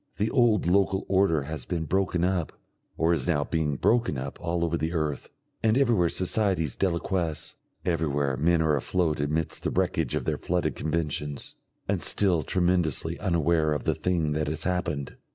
The old local order has been broken up or is now being broken up all over the earth, and everywhere societies deliquesce, everywhere men are afloat amidst the wreckage of their flooded conventions, and still tremendously unaware of the thing that has happened.